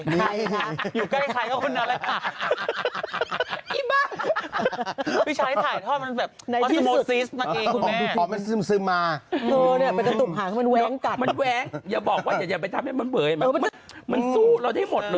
เด็กอย่าไปทำให้มันเบยมันสู้เราจะรู้ได้หมด